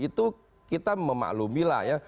itu kita memaklumilah ya